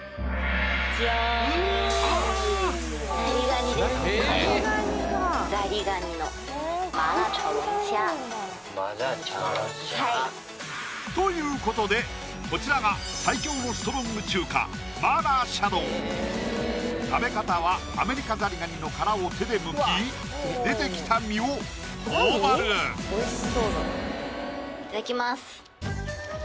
ジャン麻辣はいということでこちらが最強のストロング中華食べ方はアメリカザリガニの殻を手でむき出てきた身を頬張るいただきます